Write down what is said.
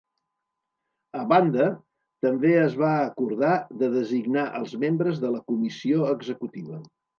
A banda, també es va acordar de designar els membres de la comissió executiva.